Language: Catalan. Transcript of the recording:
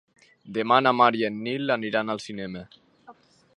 Demà na Mar i en Nil aniran al cinema.